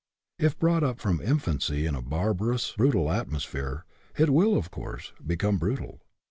If brought up from infancy in a barbarous, bru tal atmosphere, it will, of course, become brutal.